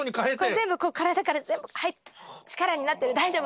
全部体から力になってる大丈夫。